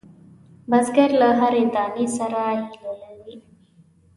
بزګر له هرې دانې سره هیله لري